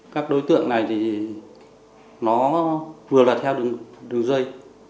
các đối tượng này thì nó vừa là theo đường dây